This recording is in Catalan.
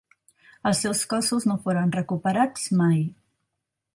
Els seus cossos no foren recuperats mai.